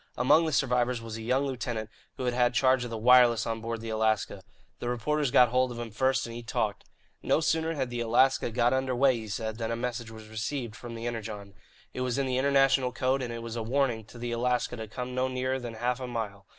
Among the survivors was a young lieutenant who had had charge of the wireless on board the Alaska. The reporters got hold of him first, and he talked. No sooner had the Alaska got under way, he said, than a message was received from the Energon. It was in the international code, and it was a warning to the Alaska to come no nearer than half a mile.